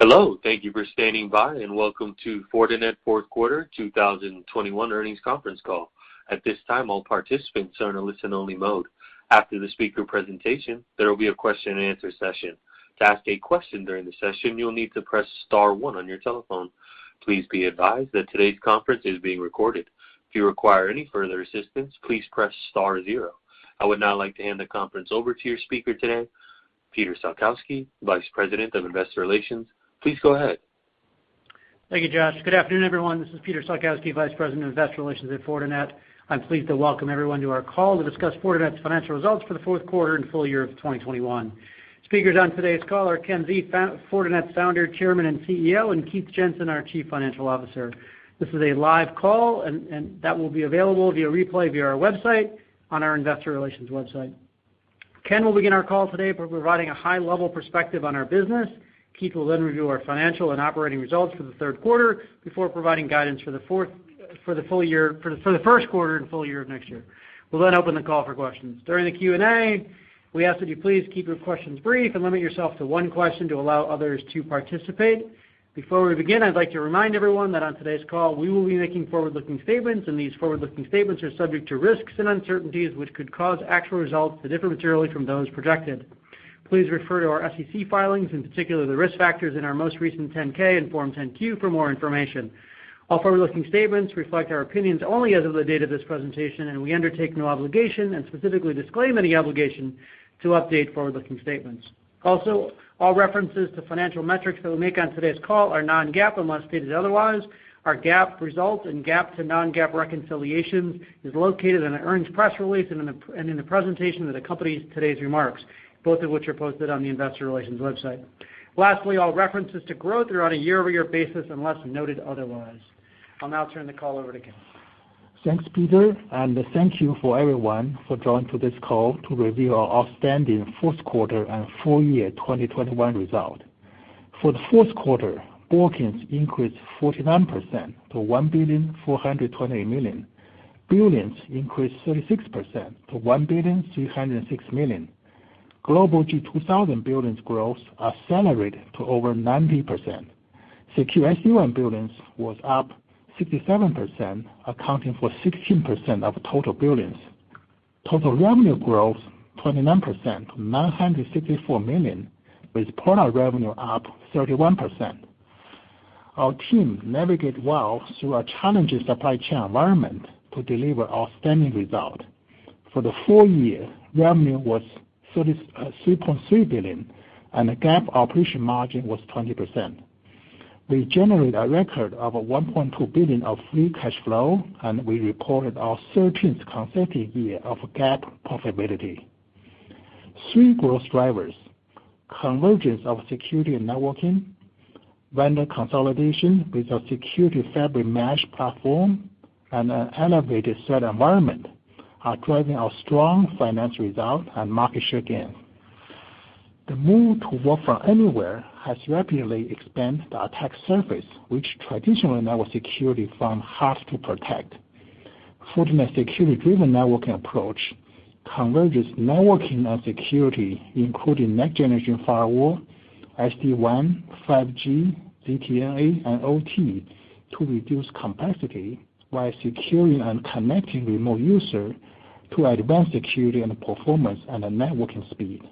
Hello, thank you for standing by, and welcome to Fortinet Q4 2021 earnings conference call. At this time, all participants are in a listen only mode. After the speaker presentation, there will be a question and answer session. To ask a question during the session, you'll need to press star one on your telephone. Please be advised that today's conference is being recorded. If you require any further assistance, please press star zero. I would now like to hand the conference over to your speaker today, Peter Salkowski, Vice President of Investor Relations. Please go ahead. Thank you, Josh. Good afternoon, everyone. This is Peter Salkowski, Vice President of Investor Relations at Fortinet. I'm pleased to welcome everyone to our call to discuss Fortinet's financial results for the fourth quarter and full year of 2021. Speakers on today's call are Ken Xie, Fortinet Founder, Chairman, and CEO, and Keith Jensen, our Chief Financial Officer. This is a live call and that will be available via replay via our website on our investor relations website. Ken will begin our call today by providing a high level perspective on our business. Keith will then review our financial and operating results for the fourth quarter before providing guidance for the Q1 and full year of next year. We'll then open the call for questions. During the Q&A, we ask that you please keep your questions brief and limit yourself to one question to allow others to participate. Before we begin, I'd like to remind everyone that on today's call, we will be making forward-looking statements, and these forward-looking statements are subject to risks and uncertainties which could cause actual results to differ materially from those projected. Please refer to our SEC filings, in particular the risk factors in our most recent 10-K and Form 10-Q for more information. All forward-looking statements reflect our opinions only as of the date of this presentation, and we undertake no obligation and specifically disclaim any obligation to update forward-looking statements. Also, all references to financial metrics that we make on today's call are non-GAAP unless stated otherwise. Our GAAP results and GAAP to non-GAAP reconciliations is located in the earnings press release and in the presentation that accompanies today's remarks, both of which are posted on the investor relations website. Lastly, all references to growth are on a year-over-year basis unless noted otherwise. I'll now turn the call over to Ken. Thanks, Peter, and thank you for everyone for joining to this call to review our outstanding Q4 and full year 2021 results. For the Q4, bookings increased 49% to $1.428 billion. Billings increased 36% to $1.306 billion. Global 2000 billings growth accelerated to over 90%. Secure SD-WAN billings was up 67%, accounting for 16% of total billings. Total revenue growth 29% to $964 million, with product revenue up 31%. Our team navigate well through a challenging supply chain environment to deliver outstanding results. For the full year, revenue was $3.3 billion, and a GAAP operating margin was 20%. We generate a record of $1.2 billion of free cash flow, and we reported our 13 consecutive year of GAAP profitability. Three growth drivers, convergence of security and networking, vendor consolidation with our Security Fabric mesh platform, and an elevated threat environment are driving our strong financial result and market share gain. The move to work from anywhere has rapidly expanded the attack surface, which traditional network security firm has to protect. Fortinet's Security-Driven Networking approach converges networking and security, including next-generation firewall, SD-WAN, 5G, ZTNA, and OT to reduce complexity while securing and connecting remote user to advanced security and performance and the networking speed.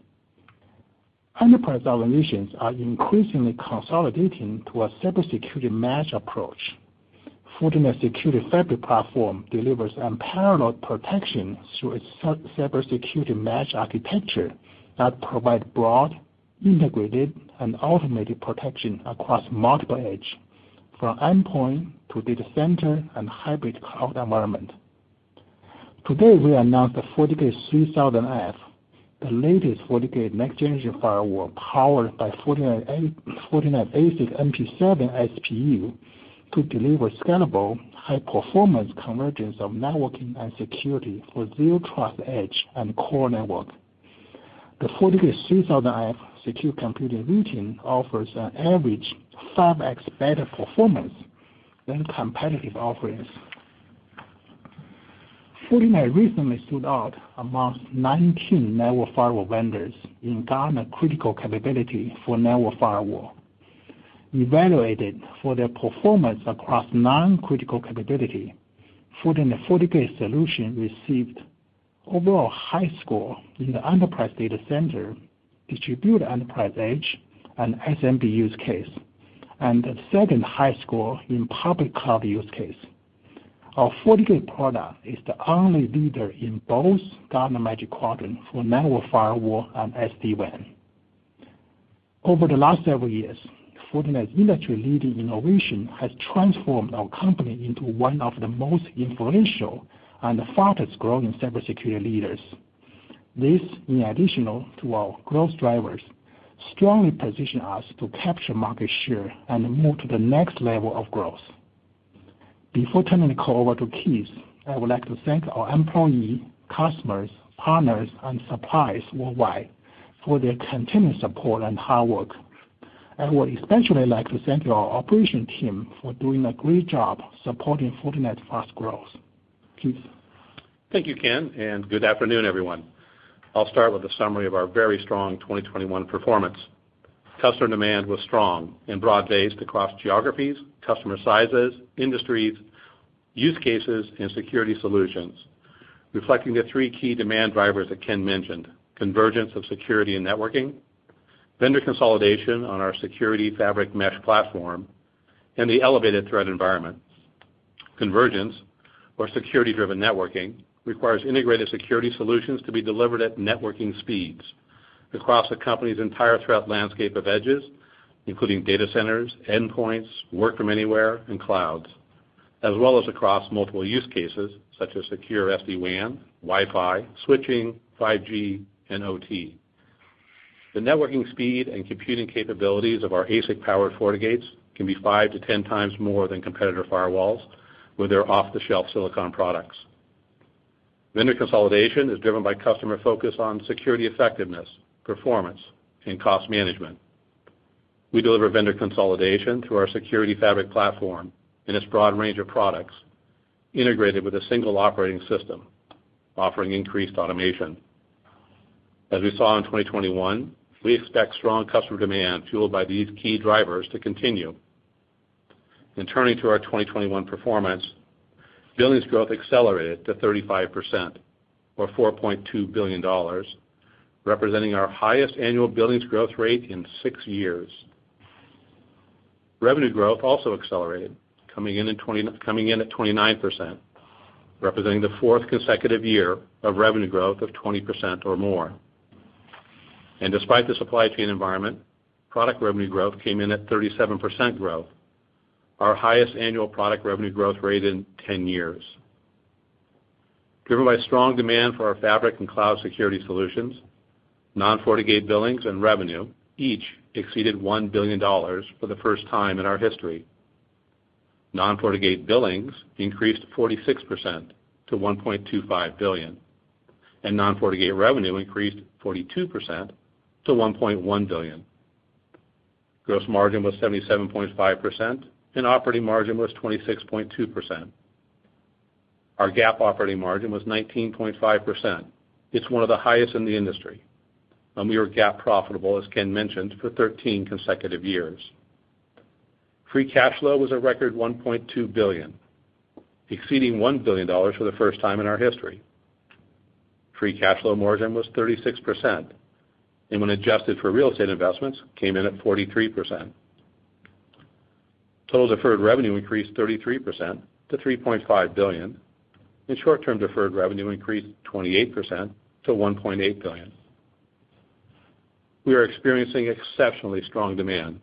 Enterprise organizations are increasingly consolidating to a Zero Trust security mesh approach. Fortinet's Security Fabric platform delivers unparalleled protection through a separate security mesh architecture that provide broad, integrated, and automated protection across multiple edge, from endpoint to data center and hybrid cloud environment. Today, we announced the FortiGate 3000F, the latest FortiGate next-generation firewall powered by Fortinet's Fortinet ASIC NP7 SPU to deliver scalable high-performance convergence of networking and security for Zero Trust Edge and core network. The FortiGate 3000F Security Compute Rating offers an average 5x better performance than competitive offerings. Fortinet recently stood out amongst 19 network firewall vendors in Gartner Critical Capabilities for network firewall. Evaluated for their performance across nine critical capabilities, Fortinet FortiGate solution received overall high score in the enterprise data center, distributed enterprise edge, and SMB use case, and the second high score in public cloud use case. Our FortiGate product is the only leader in both Gartner Magic Quadrant for network firewall and SD-WAN. Over the last several years, Fortinet industry-leading innovation has transformed our company into one of the most influential and fastest-growing cybersecurity leaders. This, in addition to our growth drivers, strongly positions us to capture market share and move to the next level of growth. Before turning the call over to Keith, I would like to thank our employees, customers, partners, and suppliers worldwide for their continued support and hard work. I would especially like to thank our operations team for doing a great job supporting Fortinet's fast growth. Keith? Thank you, Ken, and good afternoon, everyone. I'll start with a summary of our very strong 2021 performance. Customer demand was strong and broad-based across geographies, customer sizes, industries, use cases, and security solutions, reflecting the three key demand drivers that Ken mentioned, convergence of security and networking, vendor consolidation on our Security Fabric mesh platform, and the elevated threat environment. Convergence or Security-Driven Networking requires integrated security solutions to be delivered at networking speeds across a company's entire threat landscape of edges, including data centers, endpoints, work from anywhere, and clouds, as well as across multiple use cases such as secure SD-WAN, Wi-Fi, switching, 5G, and OT. The networking speed and computing capabilities of our ASIC-powered FortiGates can be 5 to 10 times more than competitor firewalls with their off-the-shelf silicon products. Vendor consolidation is driven by customer focus on security effectiveness, performance, and cost management. We deliver vendor consolidation through our Security Fabric platform and its broad range of products integrated with a single operating system, offering increased automation. As we saw in 2021, we expect strong customer demand fueled by these key drivers to continue. Turning to our 2021 performance, billings growth accelerated to 35% or $4.2 billion, representing our highest annual billings growth rate in six years. Revenue growth also accelerated, coming in at 29%, representing the fourth consecutive year of revenue growth of 20% or more. Despite the supply chain environment, product revenue growth came in at 37% growth, our highest annual product revenue growth rate in 10 years. Driven by strong demand for our fabric and cloud security solutions, non-FortiGate billings and revenue each exceeded $1 billion for the first time in our history. Non-FortiGate billings increased 46% to $1.25 billion, and non-FortiGate revenue increased 42% to $1.1 billion. Gross margin was 77.5%, and operating margin was 26.2%. Our GAAP operating margin was 19.5%. It's one of the highest in the industry, and we were GAAP profitable, as Ken mentioned, for 13 consecutive years. Free cash flow was a record $1.2 billion, exceeding $1 billion for the first time in our history. Free cash flow margin was 36%, and when adjusted for real estate investments, came in at 43%. Total deferred revenue increased 33% to $3.5 billion, and short-term deferred revenue increased 28% to $1.8 billion. We are experiencing exceptionally strong demand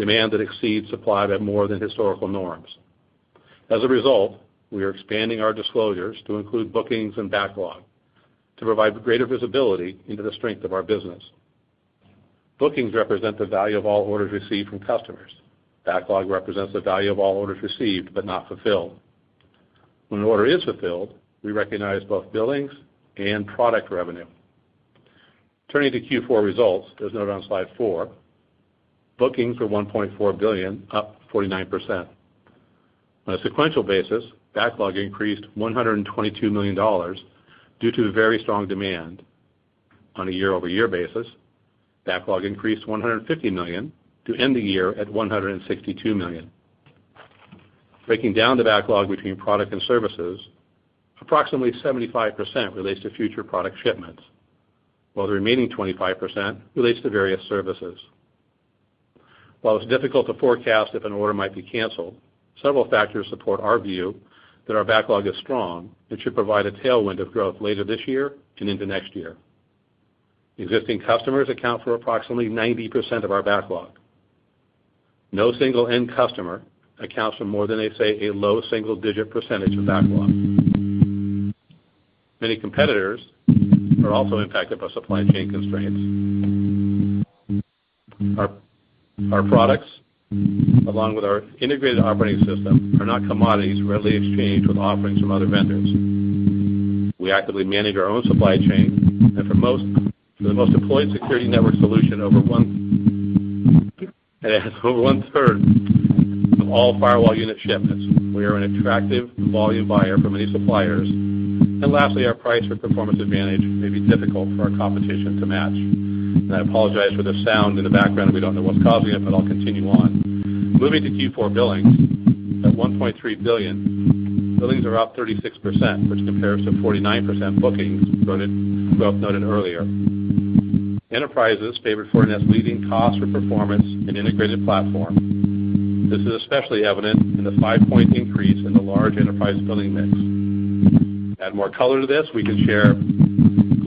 that exceeds supply by more than historical norms. As a result, we are expanding our disclosures to include bookings and backlog to provide greater visibility into the strength of our business. Bookings represent the value of all orders received from customers. Backlog represents the value of all orders received but not fulfilled. When an order is fulfilled, we recognize both billings and product revenue. Turning to Q4 results, as noted on slide four, bookings were $1.4 billion, up 49%. On a sequential basis, backlog increased $122 million due to very strong demand. On a year-over-year basis, backlog increased $150 million to end the year at $162 million. Breaking down the backlog between product and services, approximately 75% relates to future product shipments, while the remaining 25% relates to various services. While it's difficult to forecast if an order might be canceled, several factors support our view that our backlog is strong and should provide a tailwind of growth later this year and into next year. Existing customers account for approximately 90% of our backlog. No single end customer accounts for more than, say, a low single-digit percentage of backlog. Many competitors are also impacted by supply chain constraints. Our products, along with our integrated operating system, are not commodities readily exchanged with offerings from other vendors. We actively manage our own supply chain, and the most deployed security network solution has over 1/3 of all firewall unit shipments. We are an attractive volume buyer for many suppliers. Lastly, our price for performance advantage may be difficult for our competition to match. I apologize for the sound in the background. We don't know what's causing it, but I'll continue on. Moving to Q4 billings at $1.3 billion, billings are up 36%, which compares to 49% bookings growth noted earlier. Enterprises favor Fortinet's leading cost for performance and integrated platform. This is especially evident in the 5-point increase in the large enterprise billing mix. To add more color to this, we can share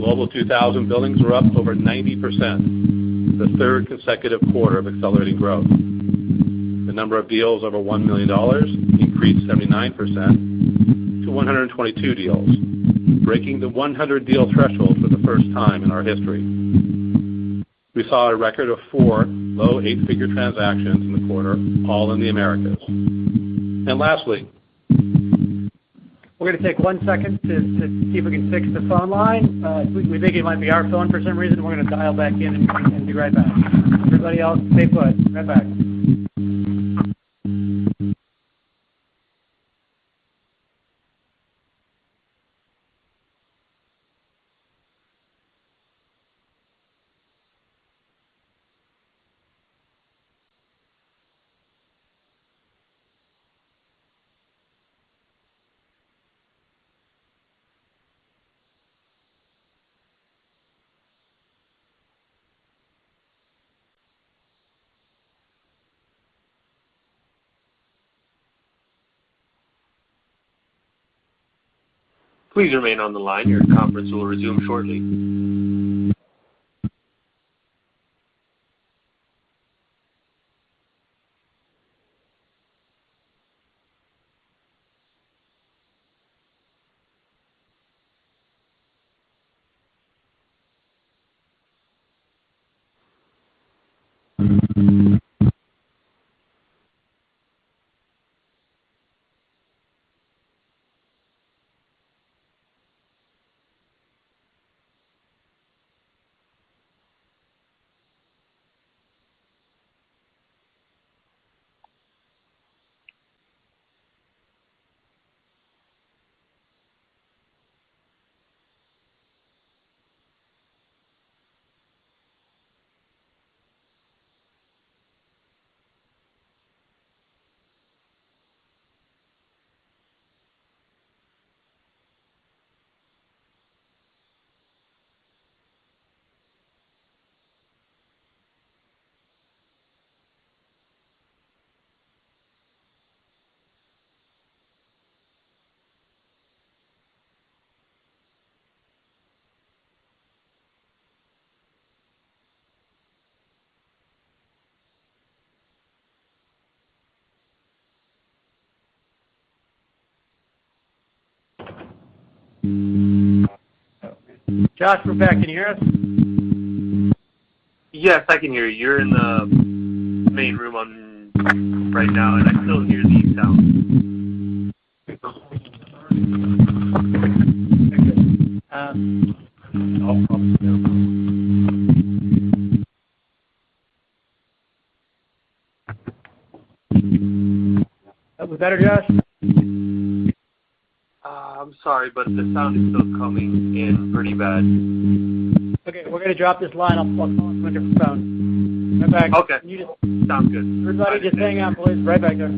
Global 2000 billings were up over 90%, the third consecutive quarter of accelerating growth. The number of deals over $1 million increased 79% to 122 deals, breaking the 100 deal threshold for the first time in our history. We saw a record of four low eight-figure transactions in the quarter, all in the Americas. And lastly- We're gonna take one second to see if we can fix this phone line. We think it might be our phone for some reason. We're gonna dial back in and be right back. Everybody else stay put. Be right back. Josh, we're back. Can you hear us? Yes, I can hear you. You're in the main room right now, and I still hear the sound. That was better, Josh? I'm sorry, but the sound is still coming in pretty bad. Okay, we're gonna drop this line. I'll call from a different phone. I'm back. Okay. Sounds good. Everybody just hang on, please. Right back there.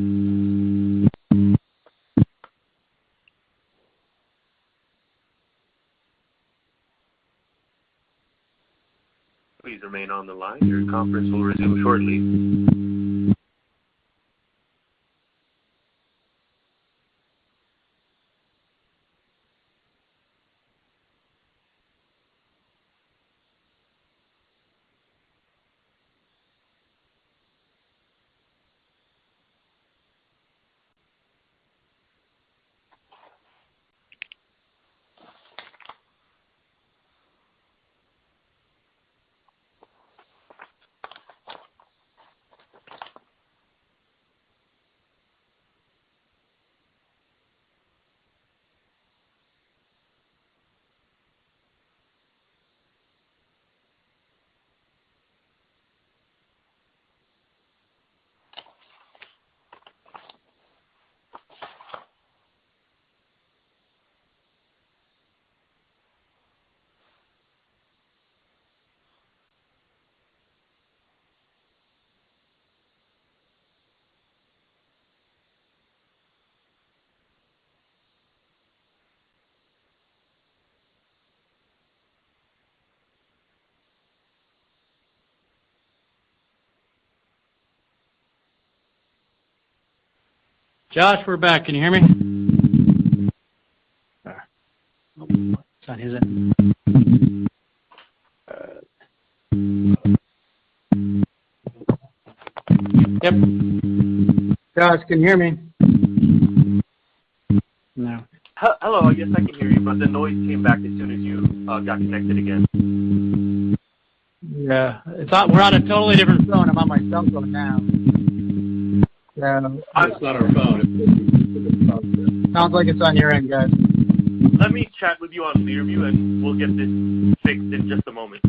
Josh, we're back. Can you hear me? Yep. Josh, can you hear me? No. Hello. Yes, I can hear you, but the noise came back as soon as you got connected again. Yeah, we're on a totally different phone. I'm on my cell phone now. Yeah, it's not our phone. Sounds like it's on your end, guys. Let me chat with you on FortiView, and we'll get this fixed in just a moment.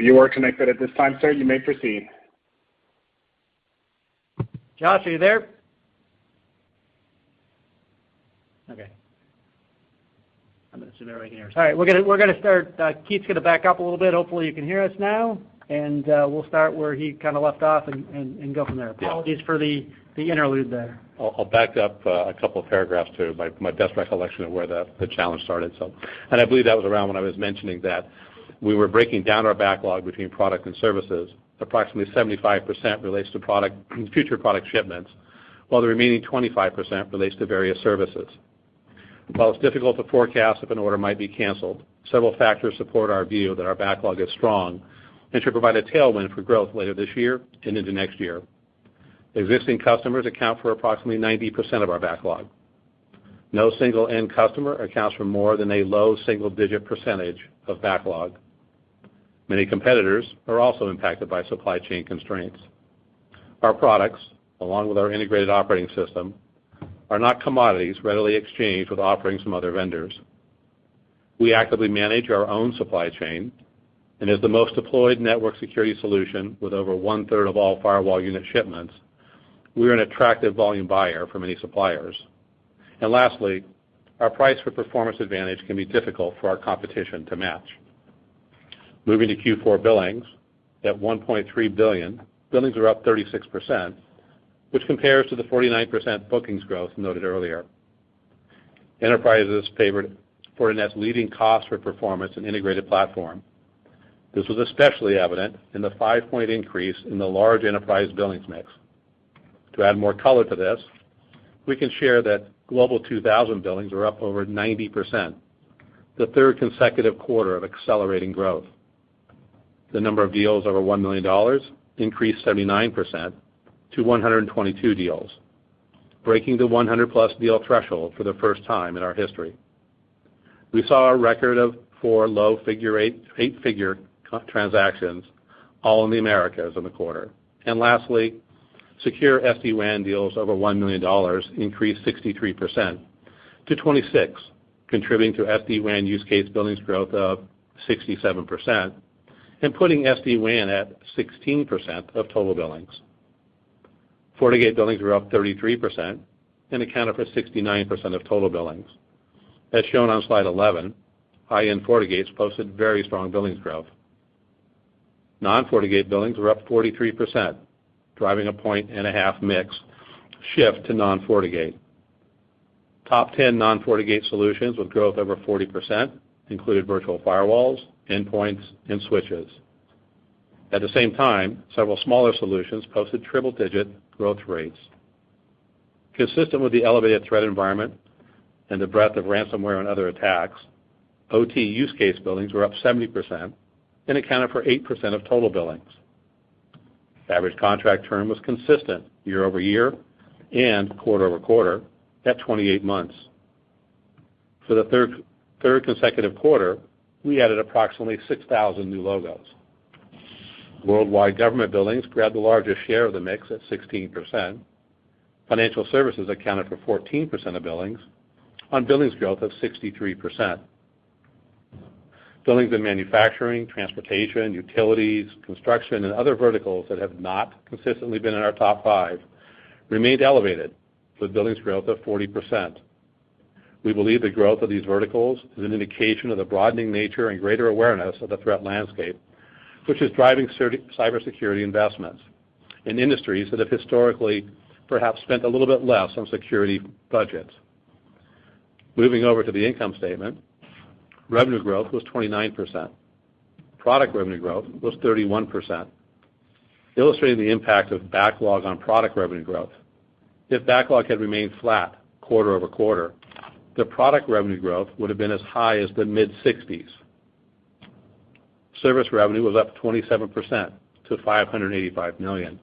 Josh, are you there? Okay. I'm gonna sit right here. All right, we're gonna start. Keith's gonna back up a little bit. Hopefully, you can hear us now, and we'll start where he kinda left off and go from there. Yeah. Apologies for the interlude there. I'll back up a couple of paragraphs to my best recollection of where the challenge started. I believe that was around when I was mentioning that we were breaking down our backlog between product and services. Approximately 75% relates to product, future product shipments, while the remaining 25% relates to various services. While it's difficult to forecast if an order might be canceled, several factors support our view that our backlog is strong and should provide a tailwind for growth later this year and into next year. Existing customers account for approximately 90% of our backlog. No single end customer accounts for more than a low single-digit percentage of backlog. Many competitors are also impacted by supply chain constraints. Our products, along with our integrated operating system, are not commodities readily exchanged with offerings from other vendors. We actively manage our own supply chain, and as the most deployed network security solution with over 1/3 of all firewall unit shipments, we're an attractive volume buyer for many suppliers. Lastly, our price for performance advantage can be difficult for our competition to match. Moving to Q4 billings at $1.3 billion, billings are up 36%, which compares to the 49% bookings growth noted earlier. Enterprises favored Fortinet's leading cost for performance and integrated platform. This was especially evident in the 5-point increase in the large enterprise billings mix. To add more color to this, we can share that Global 2000 billings are up over 90%, the third consecutive quarter of accelerating growth. The number of deals over $1 million increased 79% to 122 deals, breaking the 100+ deal threshold for the first time in our history. We saw a record of four low eight-figure transactions, all in the Americas in the quarter. Lastly, secure SD-WAN deals over $1 million increased 63% to 26, contributing to SD-WAN use case billings growth of 67% and putting SD-WAN at 16% of total billings. FortiGate billings were up 33% and accounted for 69% of total billings. As shown on slide 11, high-end FortiGates posted very strong billings growth. Non-FortiGate billings were up 43%, driving a point and a half mix shift to non-FortiGate. Top 10 non-FortiGate solutions with growth over 40% included virtual firewalls, endpoints, and switches. At the same time, several smaller solutions posted triple-digit growth rates. Consistent with the elevated threat environment and the breadth of ransomware and other attacks, OT use case billings were up 70% and accounted for 8% of total billings. Average contract term was consistent year-over-year and quarter-over-quarter at 28 months. For the third consecutive quarter, we added approximately 6,000 new logos. Worldwide government billings grabbed the largest share of the mix at 16%. Financial services accounted for 14% of billings on billings growth of 63%. Billings and manufacturing, transportation, utilities, construction, and other verticals that have not consistently been in our top five remained elevated with billings growth of 40%. We believe the growth of these verticals is an indication of the broadening nature and greater awareness of the threat landscape, which is driving cybersecurity investments in industries that have historically perhaps spent a little bit less on security budgets. Moving over to the income statement, revenue growth was 29%. Product revenue growth was 31%. Illustrating the impact of backlog on product revenue growth. If backlog had remained flat quarter-over-quarter, the product revenue growth would have been as high as the mid-60s. Service revenue was up 27% to $585 million.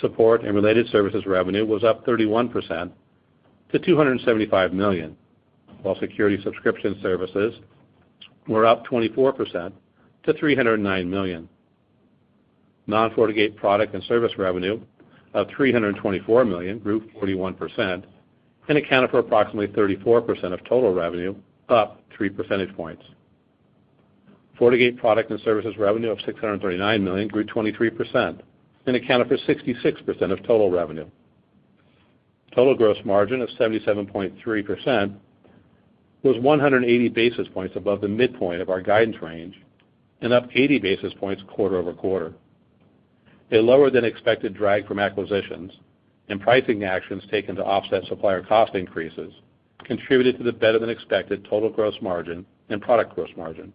Support and related services revenue was up 31% to $275 million, while security subscription services were up 24% to $309 million. Non-FortiGate product and service revenue of $324 million grew 41% and accounted for approximately 34% of total revenue, up 3 percentage points. FortiGate product and services revenue of $639 million grew 23% and accounted for 66% of total revenue. Total gross margin of 77.3% was 180 basis points above the midpoint of our guidance range and up 80 basis points quarter-over-quarter. A lower than expected drag from acquisitions and pricing actions taken to offset supplier cost increases contributed to the better-than-expected total gross margin and product gross margin.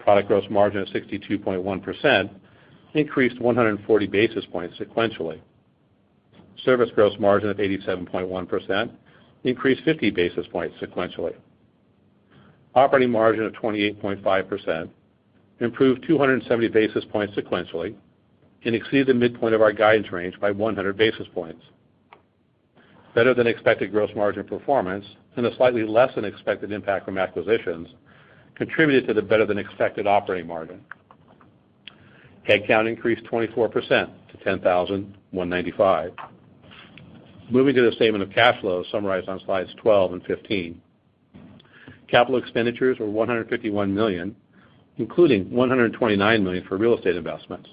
Product gross margin of 62.1% increased 140 basis points sequentially. Service gross margin of 87.1% increased 50 basis points sequentially. Operating margin of 28.5% improved 270 basis points sequentially and exceeded the midpoint of our guidance range by 100 basis points. Better than expected gross margin performance and a slightly less than expected impact from acquisitions contributed to the better-than-expected operating margin. Headcount increased 24% to 10,195. Moving to the statement of cash flows summarized on slides 12 and 15. Capital expenditures were $151 million, including $129 million for real estate investments.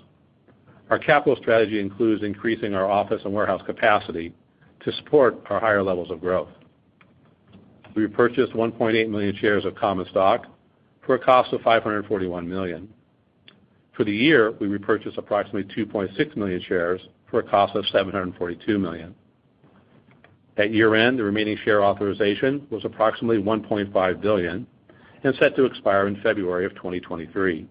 Our capital strategy includes increasing our office and warehouse capacity to support our higher levels of growth. We repurchased 1.8 million shares of common stock for a cost of $541 million. For the year, we repurchased approximately 2.6 million shares for a cost of $742 million. At year-end, the remaining share authorization was approximately $1.5 billion and set to expire in February 2023.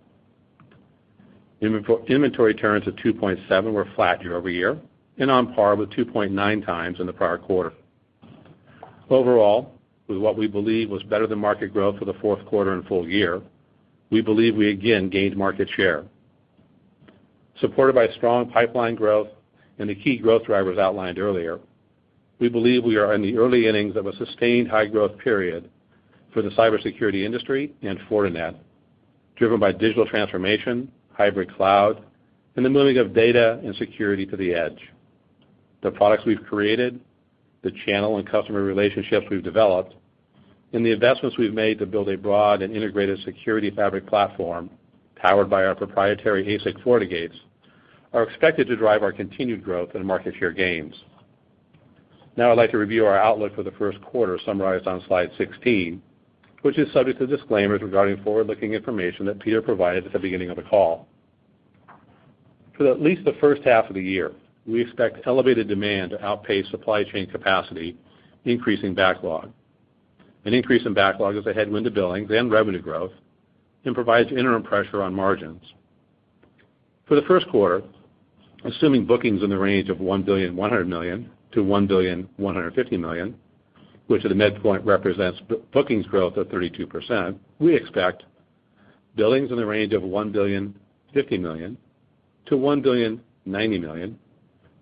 Inventory turns of 2.7 were flat year-over-year and on par with 2.9x in the prior quarter. Overall, with what we believe was better than market growth for the Q4 and full year, we believe we again gained market share. Supported by strong pipeline growth and the key growth drivers outlined earlier, we believe we are in the early innings of a sustained high-growth period for the cybersecurity industry and Fortinet, driven by digital transformation, hybrid cloud, and the moving of data and security to the edge. The products we've created, the channel and customer relationships we've developed, and the investments we've made to build a broad and integrated Security Fabric platform powered by our proprietary ASIC FortiGates are expected to drive our continued growth and market share gains. Now I'd like to review our outlook for the Q1 summarized on slide 16, which is subject to disclaimers regarding forward-looking information that Peter provided at the beginning of the call. For at least the first half of the year, we expect elevated demand to outpace supply chain capacity, increasing backlog. An increase in backlog is a headwind to billings and revenue growth and provides interim pressure on margins. For the Q1, assuming bookings in the range of $1.1 billion-$1.15 billion, which at the midpoint represents bookings growth of 32%, we expect billings in the range of $1.05 billion-$1.09 billion,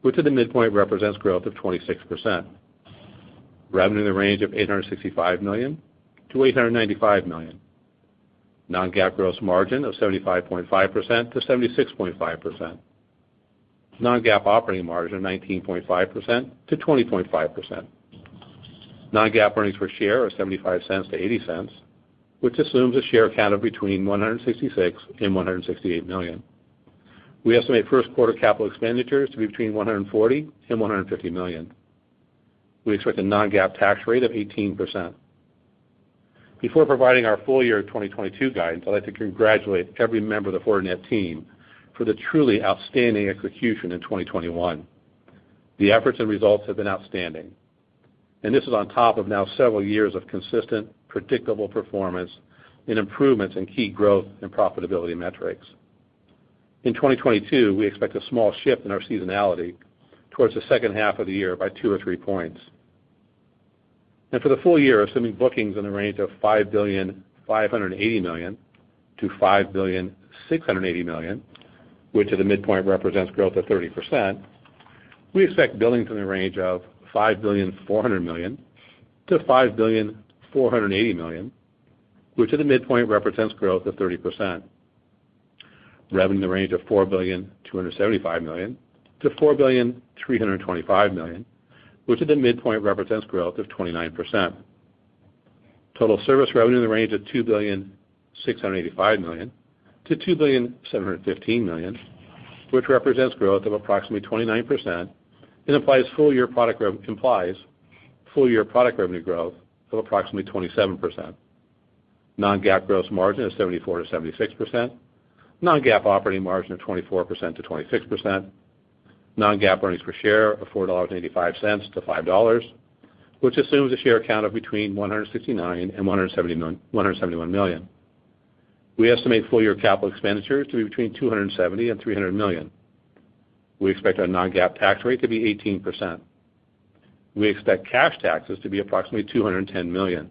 which at the midpoint represents growth of 26%. Revenue in the range of $865 million-$895 million. Non-GAAP gross margin of 75.5%-76.5%. Non-GAAP operating margin of 19.5%-20.5%. Non-GAAP earnings per share of $0.75-$0.80, which assumes a share count of between 166 million and 168 million. We estimate first quarter capital expenditures to be between $140 million and $150 million. We expect a non-GAAP tax rate of 18%. Before providing our full year 2022 guidance, I'd like to congratulate every member of the Fortinet team for the truly outstanding execution in 2021. The efforts and results have been outstanding, and this is on top of now several years of consistent, predictable performance and improvements in key growth and profitability metrics. In 2022, we expect a small shift in our seasonality towards the H2 of the year by two or three points. For the full year, assuming bookings in the range of $5.58 billion-$5.68 billion, which at the midpoint represents growth of 30%, we expect billings in the range of $5.4 billion-$5.48 billion, which at the midpoint represents growth of 30%. Revenue in the range of $4.275 billion-$4.325 billion, which at the midpoint represents growth of 29%. Total service revenue in the range of $2.685 billion-$2.715 billion, which represents growth of approximately 29% and implies full year product revenue growth of approximately 27%. Non-GAAP gross margin of 74%-76%. Non-GAAP operating margin of 24%-26%. Non-GAAP earnings per share of $4.85-$5, which assumes a share count of between $169 million and $171 million. We estimate full year capital expenditures to be between $270 million and $300 million. We expect our non-GAAP tax rate to be 18%. We expect cash taxes to be approximately $210 million.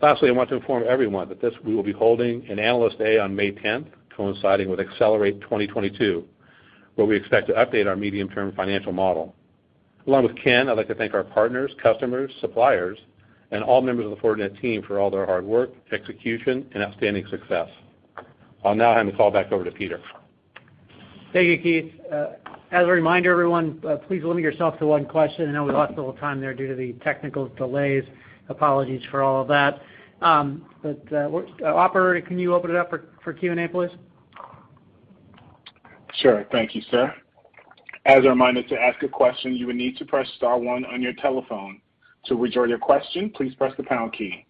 Lastly, I want to inform everyone that we will be holding an Analyst Day on May 10, coinciding with Accelerate 2022, where we expect to update our medium-term financial model. Along with Ken, I'd like to thank our partners, customers, suppliers, and all members of the Fortinet team for all their hard work, execution, and outstanding success. I'll now hand the call back over to Peter. Thank you, Keith. As a reminder, everyone, please limit yourself to one question. I know we lost a little time there due to the technical delays. Apologies for all of that. Operator, can you open it up for Q&A, please? Sure. Thank you, Sir. As a reminder, to ask a question, you will need to press star one on your telephone. To withdraw your question, please press the pound key.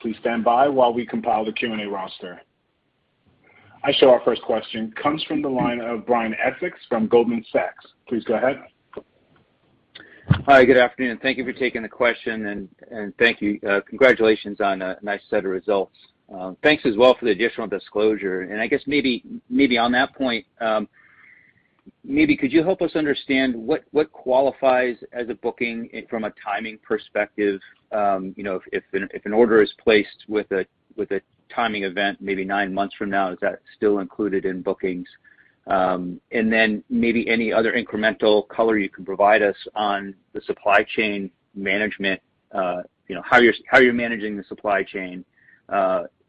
Please stand by while we compile the Q&A roster. I show our first question comes from the line of Brian Essex from Goldman Sachs. Please go ahead. Hi, good afternoon. Thank you for taking the question, and thank you. Congratulations on a nice set of results. Thanks as well for the additional disclosure. I guess maybe on that point, maybe could you help us understand what qualifies as a booking from a timing perspective? You know, if an order is placed with a timing event maybe nine months from now, is that still included in bookings? And then maybe any other incremental color you can provide us on the supply chain management, you know, how you're managing the supply chain.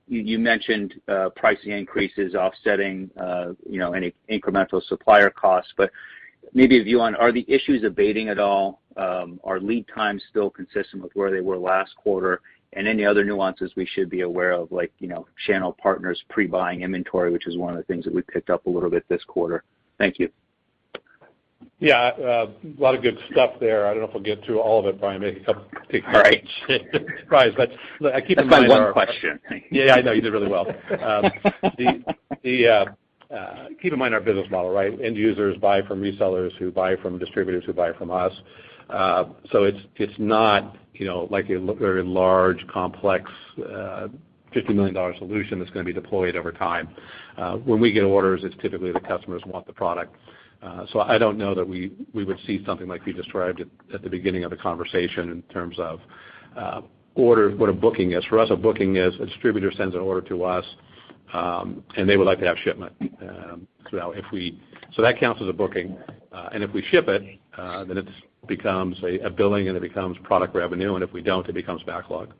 You mentioned pricing increases offsetting, you know, any incremental supplier costs, but maybe a view on are the issues abating at all? Are lead times still consistent with where they were last quarter? any other nuances we should be aware of, like, you know, channel partners pre-buying inventory, which is one of the things that we picked up a little bit this quarter. Thank you. Yeah. A lot of good stuff there. I don't know if we'll get to all of it, Brian, maybe a couple All right. Surprise. Look, keep in mind our That's my one question. Thank you. Yeah, I know. You did really well. Keep in mind our business model, right? End users buy from resellers who buy from distributors who buy from us. It's not, you know, like a large, complex, $50 million solution that's gonna be deployed over time. When we get orders, it's typically the customers want the product. So I don't know that we would see something like you described at the beginning of the conversation in terms of order, what a booking is. For us, a booking is a distributor sends an order to us, and they would like to have shipment. That counts as a booking. If we ship it, then it becomes a billing, and it becomes product revenue. If we don't, it becomes backlog.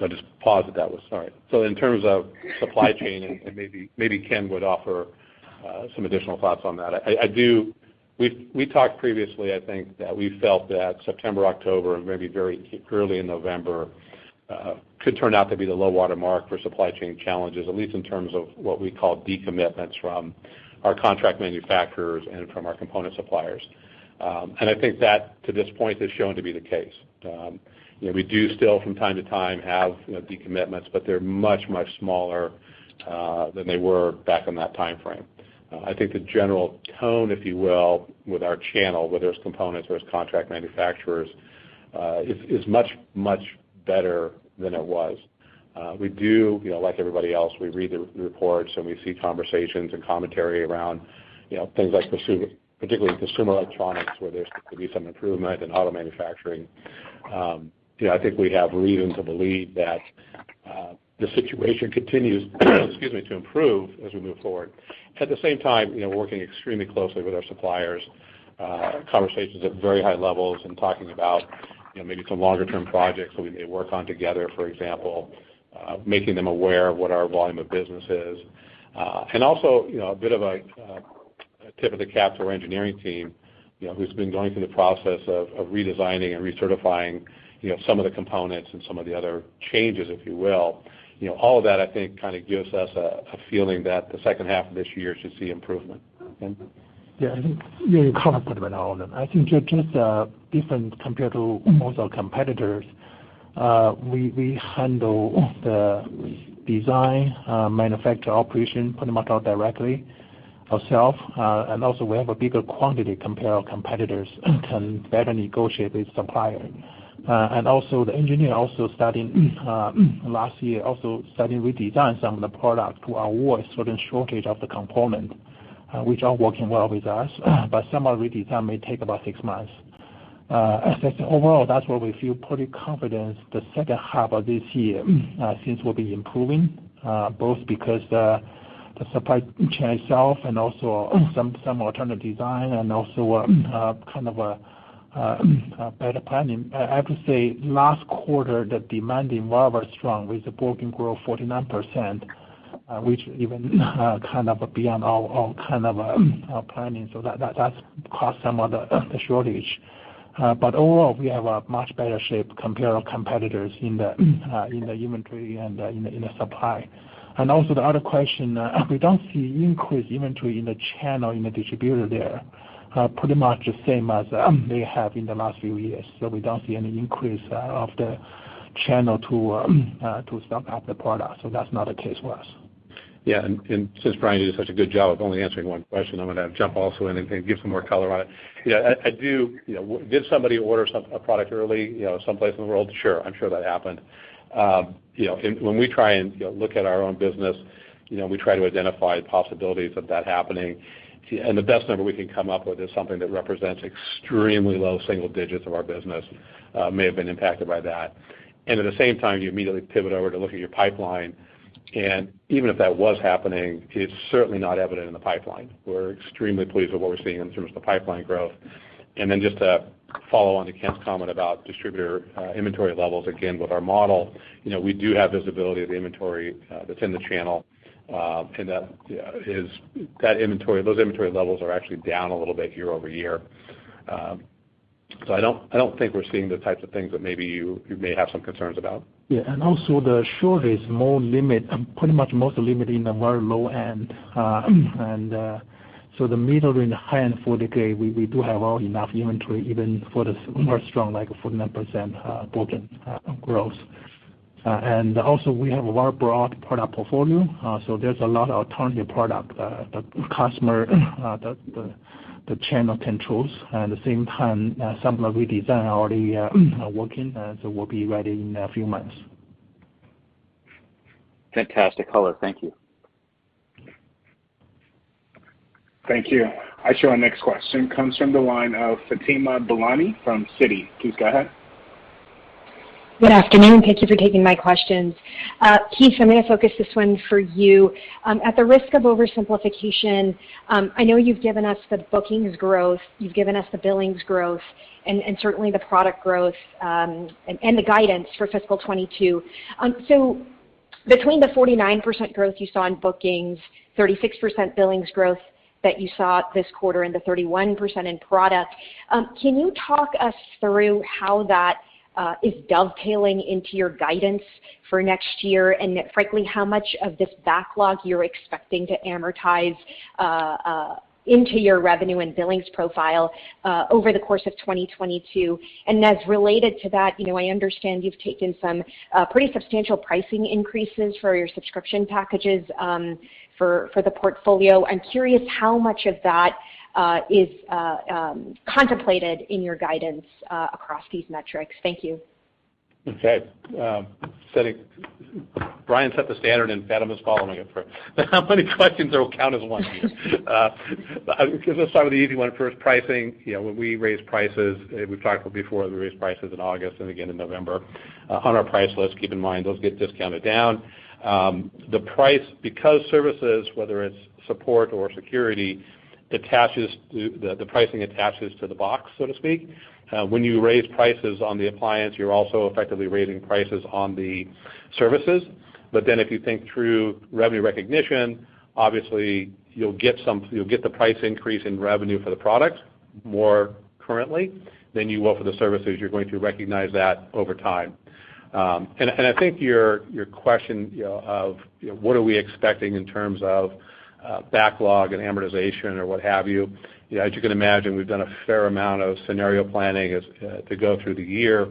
I'll just pause with that one. Sorry. In terms of supply chain, and maybe Ken would offer some additional thoughts on that. We've talked previously, I think, that we felt that September, October, and maybe very early in November could turn out to be the low water mark for supply chain challenges, at least in terms of what we call decommitments from our contract manufacturers and from our component suppliers. I think that, to this point, has shown to be the case. You know, we do still from time to time have, you know, decommitments, but they're much, much smaller than they were back in that timeframe. I think the general tone, if you will, with our channel, whether it's components or it's contract manufacturers, is much better than it was. We do, you know, like everybody else, we read the reports, and we see conversations and commentary around, you know, things like particularly consumer electronics, where there could be some improvement in auto manufacturing. You know, I think we have reason to believe that the situation continues, excuse me, to improve as we move forward. At the same time, you know, working extremely closely with our suppliers, conversations at very high levels and talking about, you know, maybe some longer term projects that we may work on together, for example, making them aware of what our volume of business is. Also, you know, a bit of a tip of the cap to our engineering team, you know, who's been going through the process of redesigning and recertifying, you know, some of the components and some of the other changes, if you will. You know, all of that I think kinda gives us a feeling that the H2 of this year should see improvement. Ken? Yeah. I think, you know, you covered pretty much all of it. I think just different compared to most of our competitors, we handle the design, manufacture operation pretty much all directly ourselves. We also have a bigger quantity compared to our competitors and can better negotiate with supplier. The engineers also starting last year also starting to redesign some of the products to avoid certain shortage of the components, which are working well with us. Some of the redesign may take about six months. I think overall that's where we feel pretty confident the H2 of this year, things will be improving, both because the supply chain itself and also some alternative design and also kind of a better planning. I have to say, last quarter, the demand environment was strong with the booking growth 49%, which even kind of beyond our planning. That's caused some of the shortage. Overall, we have a much better shape compared to our competitors in the inventory and in the supply. Also the other question, we don't see increased inventory in the channel, in the distributor there. Pretty much the same as they have in the last few years, so we don't see any increase of the channel to stock up the product. That's not the case for us. Yeah. Since Brian did such a good job of only answering one question, I'm gonna jump also in and give some more color on it. Yeah. You know, did somebody order a product early, you know, someplace in the world? Sure. I'm sure that happened. You know, when we try and look at our own business, you know, we try to identify possibilities of that happening. The best number we can come up with is something that represents extremely low single digits of our business, may have been impacted by that. And at the same time, you immediately pivot over to look at your pipeline, and even if that was happening, it's certainly not evident in the pipeline. We're extremely pleased with what we're seeing in terms of the pipeline growth. Just to follow on to Ken's comment about distributor inventory levels, again, with our model, you know, we do have visibility of the inventory that's in the channel. Those inventory levels are actually down a little bit year-over-year. I don't think we're seeing the types of things that maybe you may have some concerns about. Yeah. The shortage is more limited, pretty much mostly limited in the very low end. The middle and high end. Indeed, we do have well enough inventory even for the more strong, like 49% booking growth. We have a very broad product portfolio. There's a lot of alternative product the customer the channel controls. At the same time, some of the redesign already working will be ready in a few months. Fantastic color. Thank you. Thank you. Our next question comes from the line of Fatima Boolani from Citi. Please go ahead. Good afternoon. Thank you for taking my questions. Keith, I'm gonna focus this one for you. At the risk of oversimplification, I know you've given us the bookings growth, you've given us the billings growth, and certainly the product growth, and the guidance for fiscal 2022. Between the 49% growth you saw in bookings, 36% billings growth that you saw this quarter, and the 31% in product, can you talk us through how that is dovetailing into your guidance for next year? Frankly, how much of this backlog you're expecting to amortize into your revenue and billings profile over the course of 2022? As related to that, you know, I understand you've taken some pretty substantial pricing increases for your subscription packages for the portfolio. I'm curious how much of that is contemplated in your guidance across these metrics? Thank you. Okay. Brian set the standard, and Fatima's following it for how many questions count as one here. Let's start with the easy one first, pricing. You know, when we raise prices, we've talked before, we raised prices in August and again in November. On our price list, keep in mind, those get discounted down. The price, because services, whether it's support or security, attaches to the pricing attaches to the box, so to speak. When you raise prices on the appliance, you're also effectively raising prices on the services. But then if you think through revenue recognition, obviously you'll get the price increase in revenue for the product more currently than you will for the services. You're going to recognize that over time. I think your question, you know, of what are we expecting in terms of backlog and amortization or what have you. You know, as you can imagine, we've done a fair amount of scenario planning to go through the year.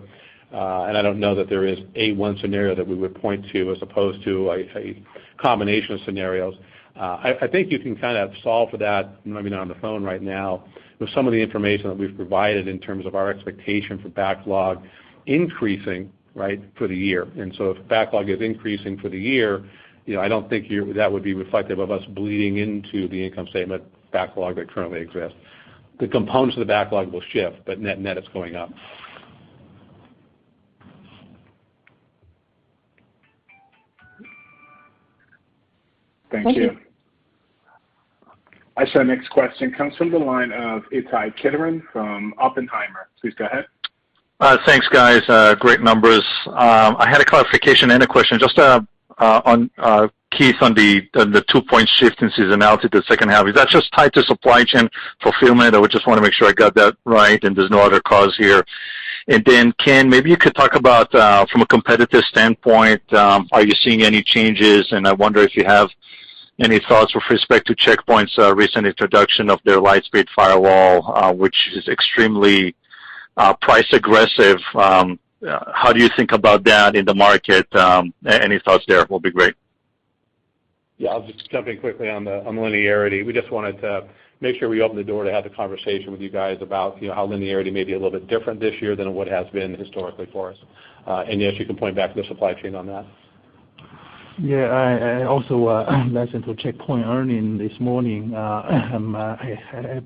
I don't know that there is a one scenario that we would point to as opposed to a combination of scenarios. I think you can kind of solve for that, maybe not on the phone right now, with some of the information that we've provided in terms of our expectation for backlog increasing, right, for the year. If backlog is increasing for the year, you know, I don't think that would be reflective of us bleeding into the income statement backlog that currently exists. The components of the backlog will shift, but net-net, it's going up. Thank you. Thank you. Our next question comes from the line of Ittai Kidron from Oppenheimer. Please go ahead. Thanks, guys. Great numbers. I had a clarification and a question just on Keith, on the 2-point shift in seasonality the H2. Is that just tied to supply chain fulfillment? I would just wanna make sure I got that right and there's no other cause here. Then, Ken, maybe you could talk about from a competitive standpoint, are you seeing any changes? I wonder if you have any thoughts with respect to Check Point's recent introduction of their Lightspeed Firewall, which is extremely price-aggressive. How do you think about that in the market? Any thoughts there will be great. Yeah. I'll just jump in quickly on linearity. We just wanted to make sure we open the door to have the conversation with you guys about, you know, how linearity may be a little bit different this year than what it has been historically for us. And yes, you can point back to the supply chain on that. Yeah. I also listened to Check Point earnings this morning.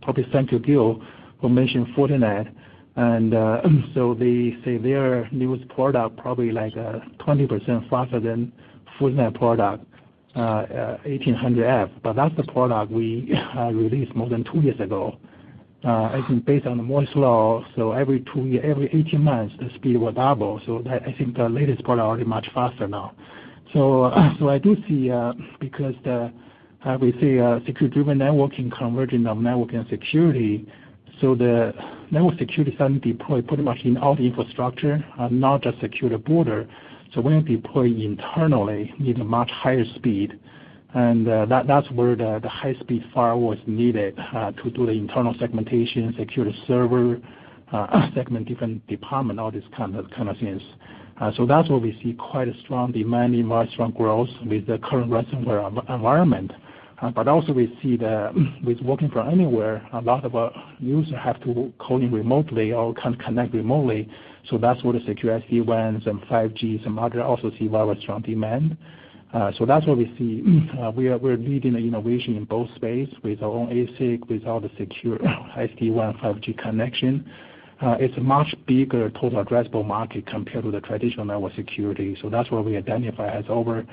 Probably thank you, Gil, who mentioned Fortinet. They say their newest product probably like 20% faster than Fortinet product 1800F. But that's the product we released more than two years ago. I think based on Moore's Law every 18 months the speed will double. That I think the latest product already much faster now. I do see because we see Security-Driven Networking converging on network and security. The network security suddenly deploy pretty much in all the infrastructure and not just secure the border. When deployed internally, need a much higher speed. That's where the high-speed firewall is needed to do the internal segmentation, secure the servers, segment different departments, all these kind of things. That's where we see quite a strong demand and very strong growth with the current ransomware environment. But also we see, with working from anywhere, a lot of users have to call in remotely or can connect remotely. That's where the secure SD-WANs and 5Gs and others also see very strong demand. That's what we see. We're leading the innovation in both spaces with our own ASIC, with all the secure SD-WAN 5G connections. It's a much bigger total addressable market compared to the traditional network security. That's where we identify as over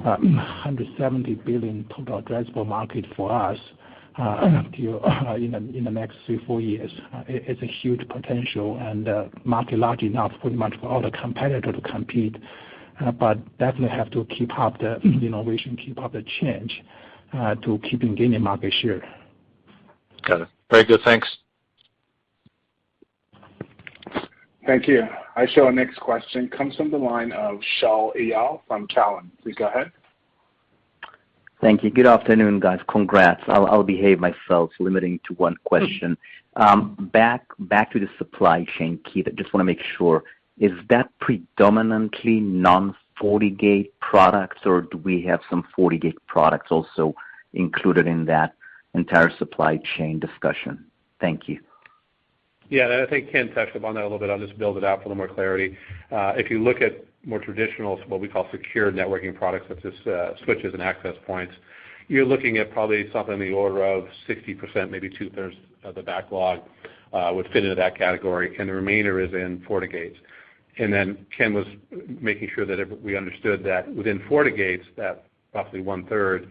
$170 billion total addressable market for us in the next 3-4 years. It's a huge potential and a market large enough pretty much for all the competitors to compete, but definitely have to keep up the innovation, keep up the change to keep gaining market share. Got it. Very good. Thanks. Thank you. Our next question comes from the line of Shaul Eyal from Cowen. Please go ahead. Thank you. Good afternoon, guys. Congrats. I'll behave myself limiting to one question. Back to the supply chain, Keith, I just wanna make sure. Is that predominantly non-FortiGate products, or do we have some FortiGate products also included in that entire supply chain discussion? Thank you. Yeah, I think Ken touched upon that a little bit. I'll just build it out for a little more clarity. If you look at more traditional, what we call secure networking products such as switches and access points, you're looking at probably something in the order of 60%, maybe 2/3 of the backlog would fit into that category, and the remainder is in FortiGates. Ken was making sure that we understood that within FortiGates, that roughly 1/3,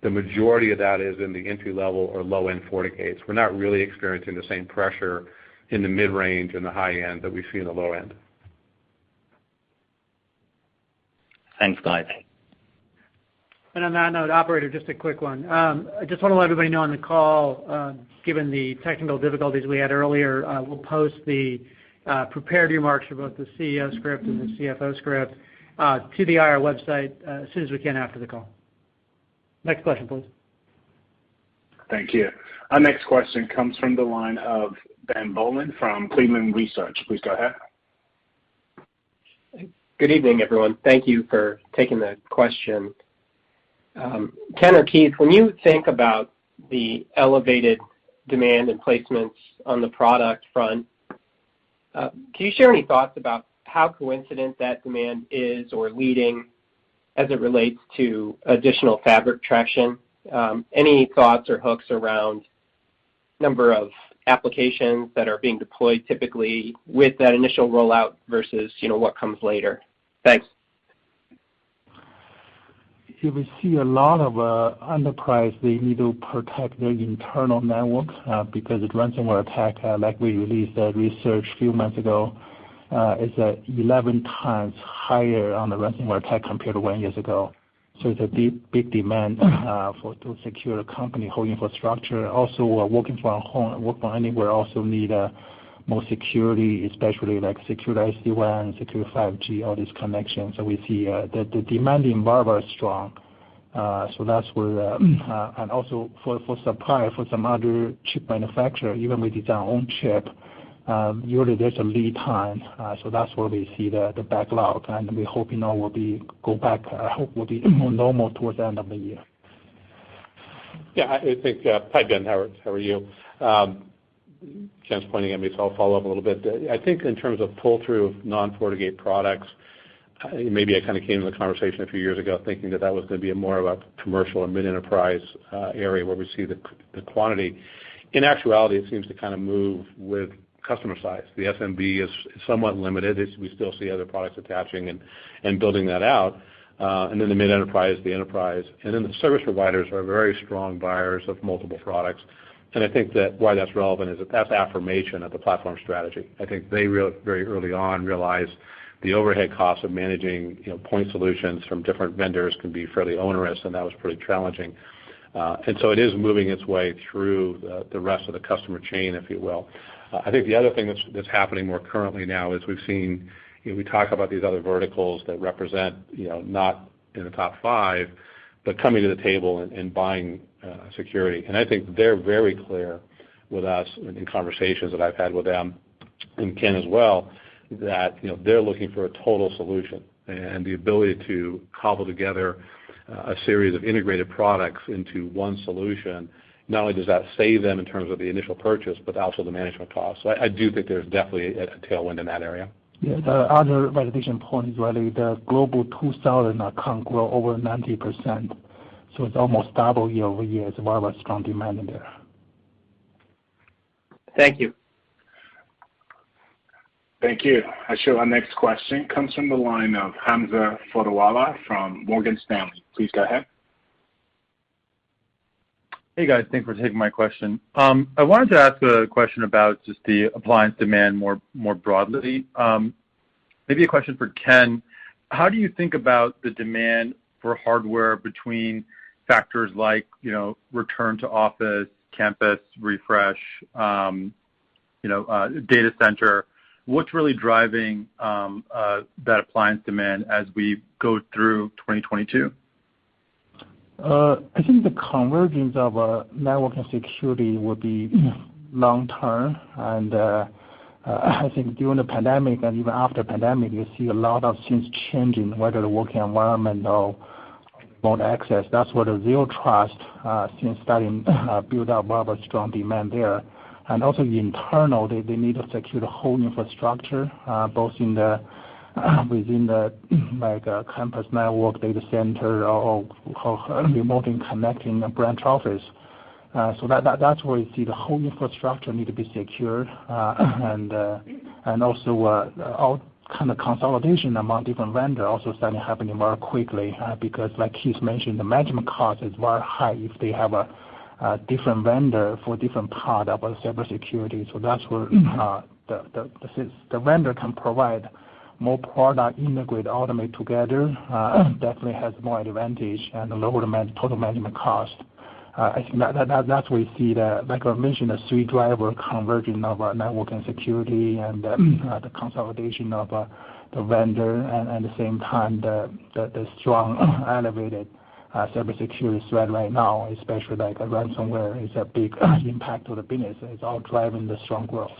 the majority of that is in the entry-level or low-end FortiGates. We're not really experiencing the same pressure in the mid-range and the high-end that we see in the low-end. Thanks, guys. On that note, operator, just a quick one. I just wanna let everybody know on the call, given the technical difficulties we had earlier, we'll post the prepared remarks for both the CEO script and the CFO script to the IR website as soon as we can after the call. Next question, please. Thank you. Our next question comes from the line of Ben Bollin from Cleveland Research. Please go ahead. Good evening, everyone. Thank you for taking the question. Ken or Keith, when you think about the elevated demand and placements on the product front, can you share any thoughts about how coincident that demand is or leading as it relates to additional fabric traction? Any thoughts or hooks around number of applications that are being deployed typically with that initial rollout versus, you know, what comes later? Thanks. Yeah, we see a lot of enterprise they need to protect their internal network because of ransomware attack like we released that research a few months ago. It's 11 times higher on the ransomware attack compared to one year ago. It's a big demand to secure company whole infrastructure. Also, working from home, work from anywhere also need more security, especially like secure SD-WAN, secure 5G, all these connections. We see the demand involved are strong. Also, for supply for some other chip manufacturer, even with its own chip, usually there's a lead time. That's where we see the backlog, and we're hoping now we'll go back, hope we'll be more normal towards the end of the year. Yeah, I think. Hi, Ben, how are you? Ken's pointing at me, so I'll follow up a little bit. I think in terms of pull-through of non-FortiGate products, maybe I kinda came into the conversation a few years ago thinking that was gonna be more of a commercial or mid-enterprise area where we see the quantity. In actuality, it seems to kinda move with customer size. The SMB is somewhat limited. We still see other products attaching and building that out. Then the mid-enterprise, the enterprise, and then the service providers are very strong buyers of multiple products. I think that's why that's relevant is that that's affirmation of the platform strategy. I think they very early on realized the overhead costs of managing, you know, point solutions from different vendors can be fairly onerous, and that was pretty challenging. It is moving its way through the rest of the customer chain, if you will. I think the other thing that's happening more currently now is we've seen, you know, we talk about these other verticals that represent, you know, not in the top five, but coming to the table and buying security. I think they're very clear with us in conversations that I've had with them, and Ken as well, that, you know, they're looking for a total solution and the ability to cobble together a series of integrated products into one solution. Not only does that save them in terms of the initial purchase, but also the management cost. I do think there's definitely a tailwind in that area. Yeah. The other validation point is really the Global 2000 account growth over 90%, so it's almost double year-over-year. There's very strong demand in there. Thank you. Thank you. Our next question comes from the line of Hamza Fodderwala from Morgan Stanley. Please go ahead. Hey, guys. Thanks for taking my question. I wanted to ask a question about just the appliance demand more broadly. Maybe a question for Ken. How do you think about the demand for hardware between factors like, you know, return to office, campus refresh, you know, data center? What's really driving that appliance demand as we go through 2022? I think the convergence of network and security will be long-term. I think during the pandemic and even after pandemic, you see a lot of things changing, whether the working environment or more access. That's where the Zero Trust since starting build out very strong demand there. Also the internal, they need to secure the whole infrastructure, both in the within the like campus network data center or remotely connecting a branch office. That's where you see the whole infrastructure need to be secured. Also all kind of consolidation among different vendor also starting happening more quickly, because like Keith mentioned, the management cost is very high if they have a different vendor for different part of the cybersecurity. That's where, since the vendor can provide more products integrate, automate together, definitely has more advantage and lower total management cost. I think that's where we see, like I mentioned, the three drivers converging of our network and security and the consolidation of the vendor and at the same time the strong elevated cybersecurity threat right now, especially like ransomware is a big impact to the business. It's all driving the strong growth.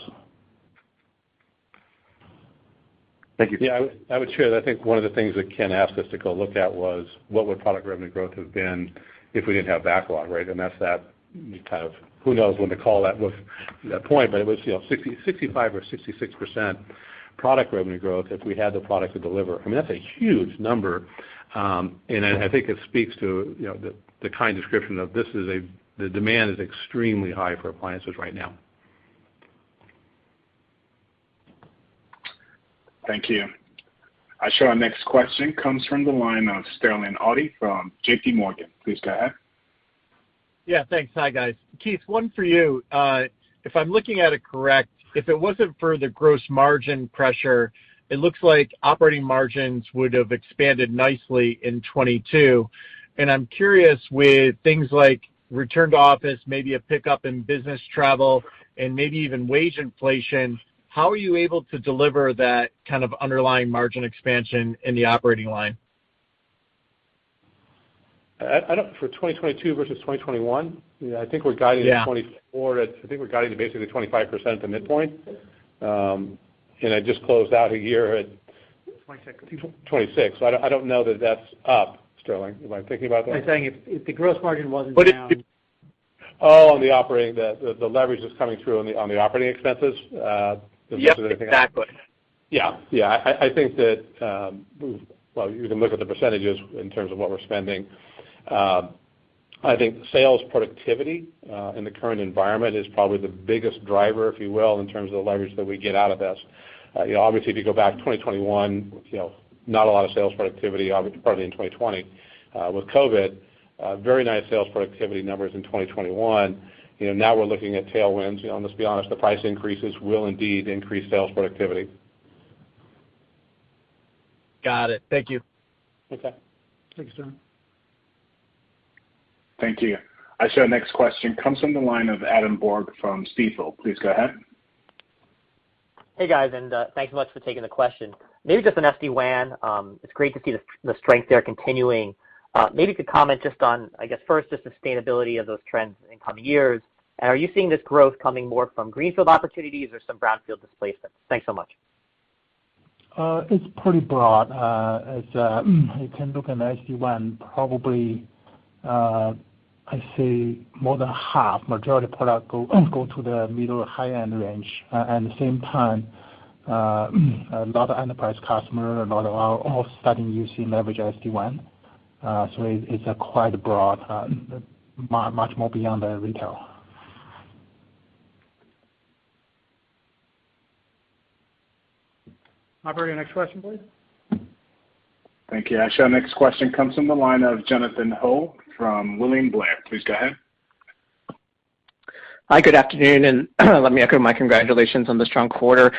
Thank you. Yeah. I would share. I think one of the things that Ken asked us to go look at was what would product revenue growth have been if we didn't have backlog, right? That's that kind of who knows when the call that was at that point, but it was, you know, 60, 65 or 66% product revenue growth if we had the product to deliver. I mean, that's a huge number. I think it speaks to, you know, the demand is extremely high for appliances right now. Thank you. I show our next question comes from the line of Sterling Auty from JP Morgan. Please go ahead. Yeah, thanks. Hi, guys. Keith, one for you. If I'm looking at it correct, if it wasn't for the gross margin pressure, it looks like operating margins would have expanded nicely in 2022. I'm curious with things like return to office, maybe a pickup in business travel and maybe even wage inflation, how are you able to deliver that kind of underlying margin expansion in the operating line? I don't for 2022 versus 2021? You know, I think we're guiding. Yeah. 24 at, I think we're guiding to basically 25% at the midpoint. I just closed out a year at- 26. 26. I don't know that that's up, Sterling. Am I thinking about that? I'm saying if the gross margin wasn't down. Oh, on the operating, the leverage that's coming through on the operating expenses, is that what you're thinking about? Yep, exactly. I think that well, you can look at the percentages in terms of what we're spending. I think sales productivity in the current environment is probably the biggest driver, if you will, in terms of the leverage that we get out of this. You know, obviously, if you go back to 2021, you know, not a lot of sales productivity, obviously, probably in 2020 with COVID. Very nice sales productivity numbers in 2021. You know, now we're looking at tailwinds. You know, let's be honest, the price increases will indeed increase sales productivity. Got it. Thank you. Okay. Thanks, Sterling. Thank you. Our next question comes from the line of Adam Borg from Stifel. Please go ahead. Hey, guys, and thanks so much for taking the question. Maybe just on SD-WAN, it's great to see the strength there continuing. Maybe you could comment just on, I guess first, just sustainability of those trends in coming years. Are you seeing this growth coming more from greenfield opportunities or some brownfield displacements? Thanks so much. It's pretty broad. You can look at SD-WAN, probably. I say more than half majority products go to the middle or high-end range. At the same time, a lot of enterprise customers are all starting using leverage SD-WAN. It's quite broad, much more beyond the retail. Operator, next question, please. Thank you. Our next question comes from the line of Jonathan Ho from William Blair. Please go ahead. Hi, good afternoon, and let me echo my congratulations on the strong quarter.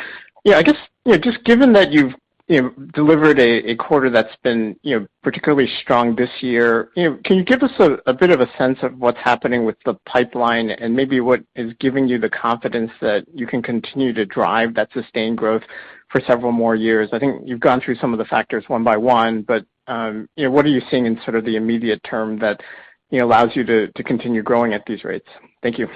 Yeah, I guess, you know, just given that you've, you know, delivered a quarter that's been, you know, particularly strong this year, you know, can you give us a bit of a sense of what's happening with the pipeline and maybe what is giving you the confidence that you can continue to drive that sustained growth for several more years? I think you've gone through some of the factors one by one, but, you know, what are you seeing in sort of the immediate term that, you know, allows you to continue growing at these rates? Thank you.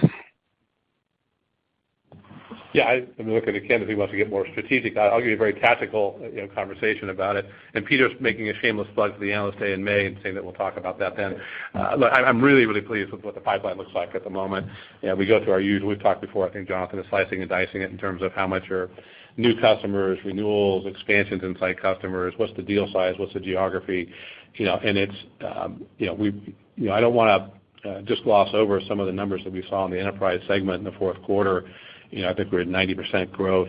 Yeah, let me look at Ken if he wants to get more strategic. I'll give you a very tactical, you know, conversation about it, and Peter's making a shameless plug for the Analyst Day in May and saying that we'll talk about that then. Look, I'm really pleased with what the pipeline looks like at the moment. You know, we go through our usual, we've talked before, I think, Jonathan, is slicing and dicing it in terms of how much are new customers, renewals, expansions inside customers, what's the deal size, what's the geography, you know. It's, you know, I don't wanna just gloss over some of the numbers that we saw in the enterprise segment in the fourth quarter. You know, I think we're at 90% growth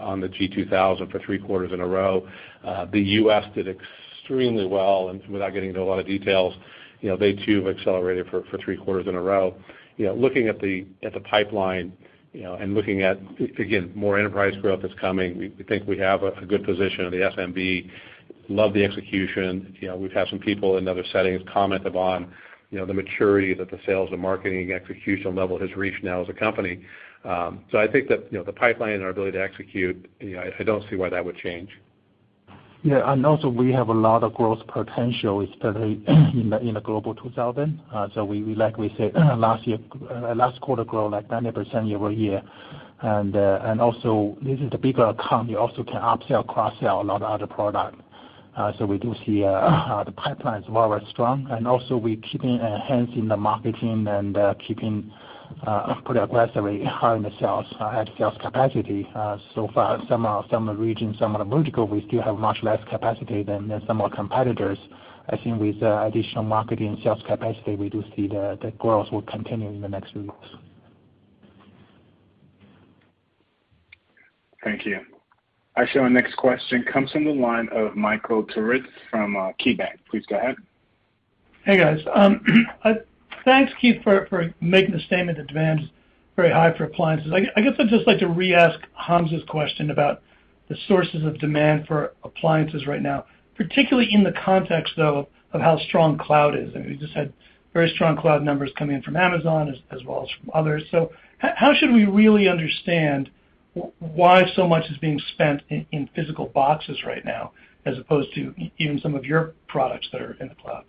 on the G-2000 for three quarters in a row. The U.S. did extremely well and without getting into a lot of details, you know, they too have accelerated for three quarters in a row. You know, looking at the pipeline, you know, and looking at, again, more enterprise growth that's coming, we think we have a good position on the SMB. Love the execution. You know, we've had some people in other settings comment upon, you know, the maturity that the sales and marketing executional level has reached now as a company. So I think that, you know, the pipeline and our ability to execute, you know, I don't see why that would change. Yeah. We also have a lot of growth potential, especially in the Global 2000. We like we said last year, last quarter grow like 90% year-over-year. This is the bigger account. You also can upsell, cross-sell a lot of other product. We do see the pipelines very strong. We keeping enhancing the marketing and keeping pretty aggressively hiring the sales capacity. So far some regions, some of the vertical, we still have much less capacity than some of our competitors. I think with additional marketing sales capacity, we do see the growth will continue in the next release. Thank you. Our next question comes from the line of Michael Turits from KeyBanc. Please go ahead. Hey, guys. Thanks, Keith, for making the statement that demand is very high for appliances. I guess I'd just like to re-ask Hamza's question about the sources of demand for appliances right now, particularly in the context though of how strong cloud is. I mean, we just had very strong cloud numbers coming in from Amazon as well as from others. So how should we really understand why so much is being spent in physical boxes right now as opposed to even some of your products that are in the cloud?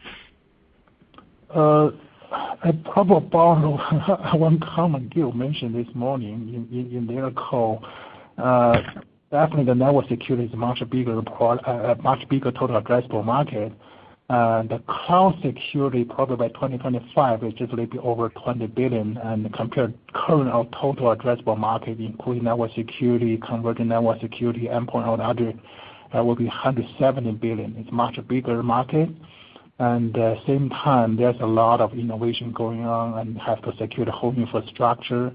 I probably borrow one comment Gil mentioned this morning in their call. Definitely the network security is a much bigger total addressable market. The cloud security probably by 2025 is just a little bit over $20 billion. Compared current or total addressable market, including network security, converting network security endpoint or other, that will be $170 billion. It's much bigger market. Same time, there's a lot of innovation going on and have to secure the whole infrastructure.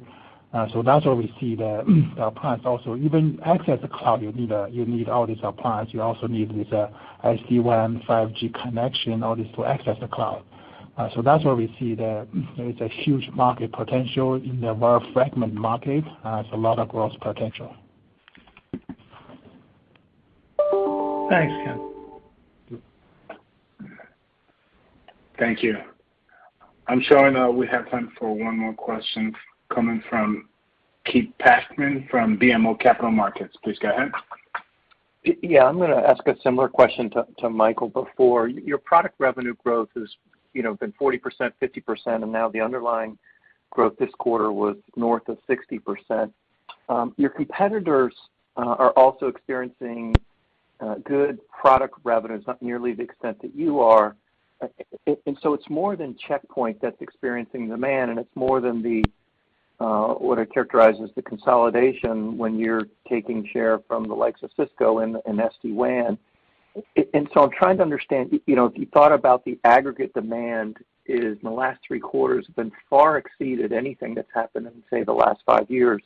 So that's where we see the appliance also. Even access the cloud, you need all these appliance. You also need this SD-WAN 5G connection in order to access the cloud. So that's where we see there's a huge market potential in the very fragmented market. It's a lot of growth potential. Thanks, Ken. Thank you. I'm showing, we have time for one more question coming from Keith Bachman from BMO Capital Markets. Please go ahead. Yeah. I'm gonna ask a similar question to Michael before. Your product revenue growth has, you know, been 40%, 50%, and now the underlying growth this quarter was north of 60%. Your competitors are also experiencing good product revenues, not nearly the extent that you are. It's more than Check Point that's experiencing demand, and it's more than the what I characterize as the consolidation when you're taking share from the likes of Cisco and SD-WAN. I'm trying to understand, you know, if you thought about the aggregate demand is in the last three quarters been far exceeded anything that's happened in, say, the last five years,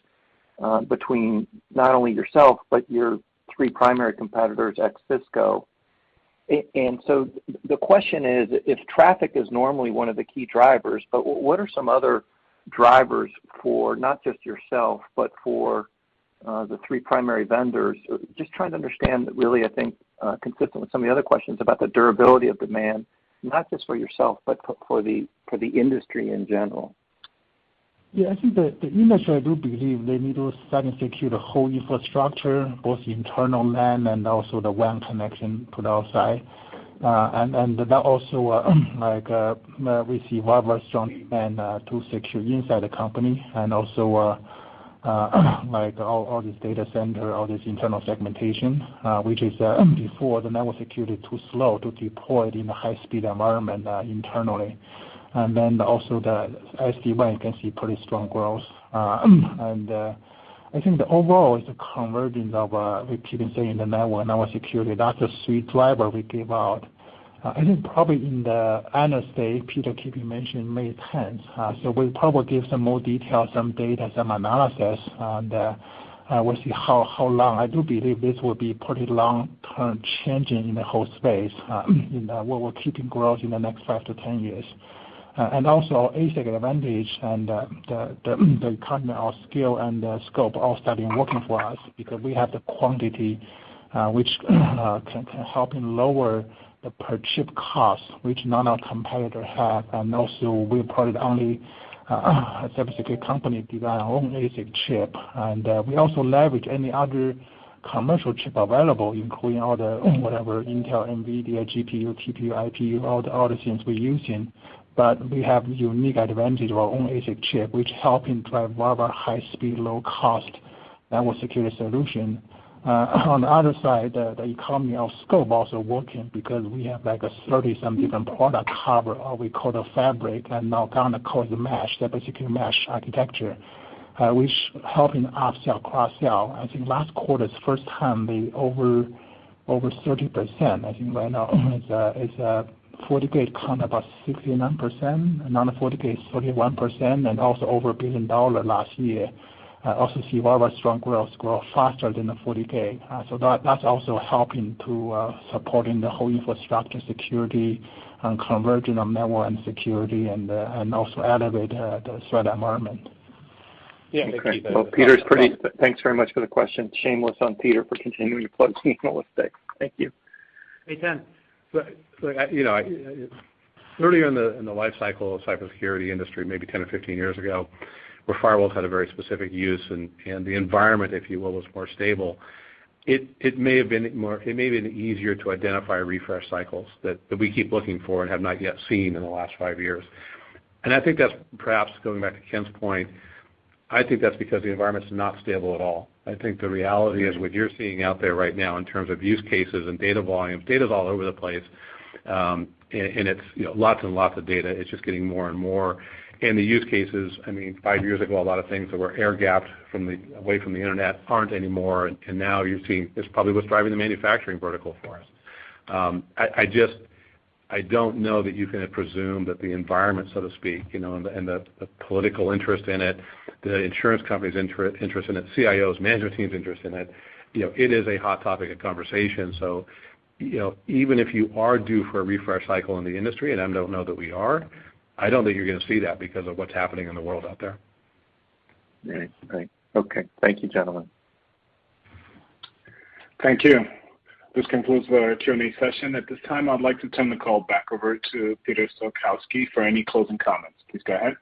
between not only yourself but your three primary competitors ex Cisco. The question is, if traffic is normally one of the key drivers, but what are some other drivers for not just yourself, but for the three primary vendors? Just trying to understand really, I think, consistent with some of the other questions about the durability of demand, not just for yourself, but for the industry in general. Yeah. I think the industry I do believe they need to start and secure the whole infrastructure, both the internal LAN and also the WAN connection to the outside. We see very strong demand to secure inside the company and also, like all these data centers, all these internal segmentation, which is, before the network security too slow to deploy it in a high-speed environment, internally. And then also the SD-WAN can see pretty strong growth. I think the overall is a convergence of, we keep saying the network security, that's a sweet driver we give out. I think probably in the Analyst Day, Peter keep mentioning May tenth. We'll probably give some more detail, some data, some analysis on the, we'll see how long. I do believe this will be pretty long-term changing in the whole space, in what we're seeing growth in the next 5 to 10 years. Also, the ASIC advantage and the economies of scale and scope are starting working for us because we have the quantity, which can help lower the per-chip cost, which none of our competitors have. We're probably the only semiconductor company design our own ASIC chip. We also leverage any other commercial chip available, including all the whatever Intel, Nvidia, GPU, TPU, IPU, all the other things we're using. We have unique advantage of our own ASIC chip, which helping drive one of our high speed, low cost network security solution. On the other side, the economy of scope also working because we have like a 30-some different product cover or we call the Security Fabric and now kinda call the mesh, the cybersecurity mesh architecture, which helping upsell, cross-sell. I think last quarter's first time over 30%. I think right now it's FortiGate count about 69%. Non-FortiGate is 41% and also over $1 billion last year. We also see very strong growth, grow faster than the FortiGate. That's also helping to supporting the whole infrastructure security and converging on network and security and also elevate the threat environment. Yeah. Thanks very much for the question. Shame on Peter for continuing to plug Holistics. Thank you. Hey, Ken. You know, earlier in the life cycle of the cybersecurity industry, maybe 10 or 15 years ago, where firewalls had a very specific use and the environment, if you will, was more stable. It may have been easier to identify refresh cycles that we keep looking for and have not yet seen in the last five years. I think that's perhaps going back to Ken's point. I think that's because the environment's not stable at all. I think the reality is what you're seeing out there right now in terms of use cases and data volumes. Data's all over the place. It's, you know, lots and lots of data. It's just getting more and more. The use cases, I mean, five years ago, a lot of things that were air-gapped away from the internet aren't anymore. Now you're seeing this probably what's driving the manufacturing vertical for us. I just don't know that you can presume that the environment, so to speak, you know, and the political interest in it, the insurance company's interest in it, CIO's management team's interest in it, you know, it is a hot topic of conversation. You know, even if you are due for a refresh cycle in the industry, and I don't know that we are, I don't think you're gonna see that because of what's happening in the world out there. Right. Okay. Thank you, gentlemen. Thank you. This concludes our Q&A session. At this time, I'd like to turn the call back over to Peter Salkowski for any closing comments. Please go ahead.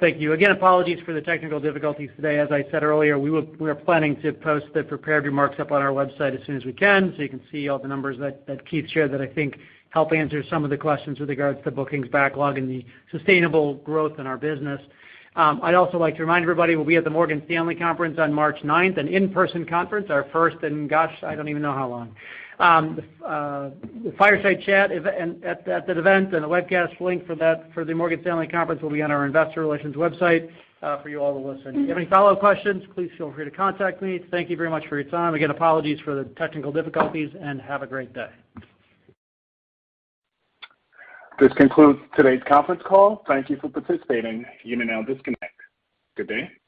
Thank you. Again, apologies for the technical difficulties today. As I said earlier, we are planning to post the prepared remarks up on our website as soon as we can, so you can see all the numbers that Keith shared that I think help answer some of the questions with regards to bookings backlog and the sustainable growth in our business. I'd also like to remind everybody we'll be at the Morgan Stanley conference on March ninth, an in-person conference, our first in, gosh, I don't even know how long. The Fireside Chat at that event and the webcast link for that for the Morgan Stanley conference will be on our investor relations website, for you all to listen. If you have any follow questions, please feel free to contact me. Thank you very much for your time. Again, apologies for the technical difficulties, and have a great day. This concludes today's conference call. Thank you for participating. You may now disconnect. Good day.